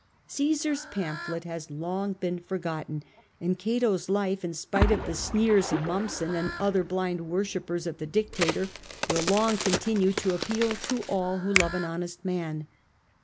Caesar's pamphlet has long been forgotten, and Cato's life, in spite of the sneers of Mommsen and other blind worship pers of the dictator, will long continue to appeal to all who love an honest man.